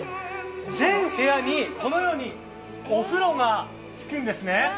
全部屋に、このようにお風呂がつくんですね。